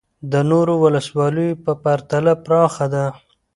د نورو ولسوالیو په پرتله پراخه ده